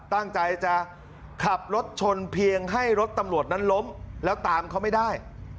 ตั้งใจจะขับรถชนเพียงให้รถตำรวจนั้นล้มแล้วตามเขาไม่ได้